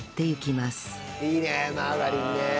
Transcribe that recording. いいね！